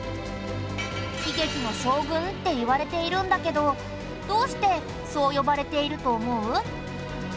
悲劇の将軍っていわれているんだけどどうしてそう呼ばれていると思う？